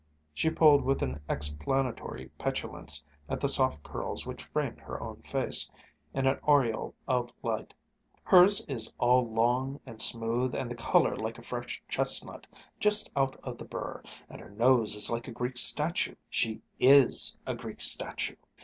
She pulled with an explanatory petulance at the soft curls which framed her own face in an aureole of light. "Hers is all long and smooth, and the color like a fresh chestnut, just out of the burr; and her nose is like a Greek statue she is a Greek statue!"